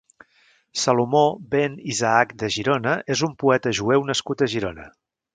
Salomó ben Isaac de Girona és un poeta jueu nascut a Girona.